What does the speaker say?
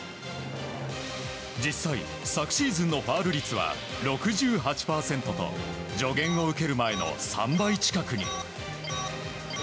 実際、昨シーズンのファウル率は６８％と助言を受ける前の３倍近くに。